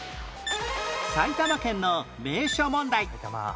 埼玉県の名所問題